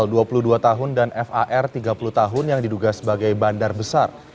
petugas bnn menangkap tiga puluh tahun dan far tiga puluh tahun yang diduga sebagai bandar besar